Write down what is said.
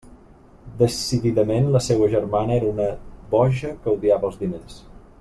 Decididament la seua germana era una boja que odiava els diners.